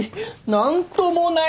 何ともない！